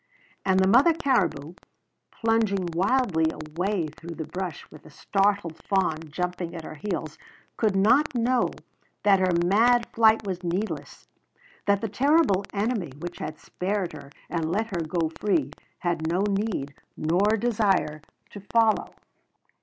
And the mother caribou, plunging wildly away through the brush with the startled fawn jumping at her heels, could not know that her mad flight was needless; that the terrible enemy which had spared her and let her go free had no need nor desire to follow.